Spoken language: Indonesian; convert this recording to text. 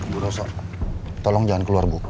bu roso tolong jangan keluar bu